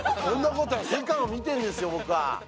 世界を見てるんですよ、僕は。